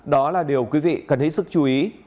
đó là điều quý vị cần hết sức chú ý